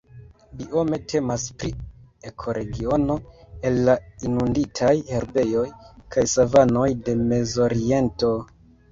Biome temas pri ekoregiono el la inunditaj herbejoj kaj savanoj de Mezoriento.